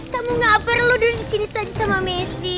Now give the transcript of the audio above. kamu gak perlu duduk disini sama messi